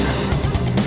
lo sudah bisa berhenti